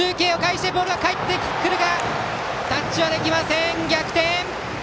タッチはできません逆転！